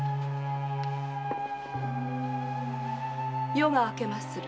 夜が明けまする。